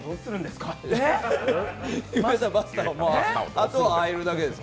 あとは和えるだけです。